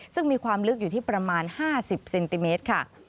ซึ่งมีความลึกอยู่ที่ประมาณ๕๐เซนติเมตรค่ะ